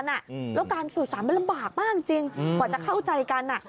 แล้วการสื่อสารมันลำบากมากจริงกว่าจะเข้าใจกัน